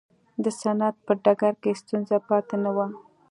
د صنعت په ډګر کې ستونزه پاتې نه وي.